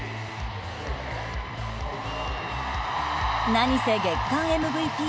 何せ月間ＭＶＰ。